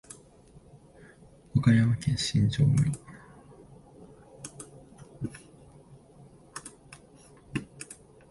岡山県新庄村